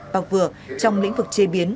và vừa trong lĩnh vực chế biến